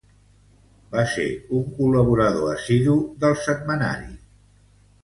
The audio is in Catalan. Va ser un col·laborador assidu del setmanari.